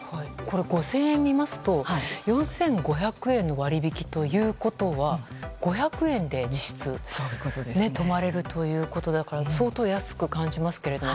５０００円を見ますと４５００円割引ということは５００円で実質泊まれるということだから相当、安く感じますけれども。